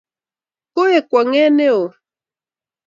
koek kwong'et neoo